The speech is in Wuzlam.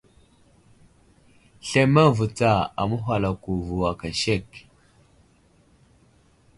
Slemeŋ vo tsa aməhwalako vo aka sek.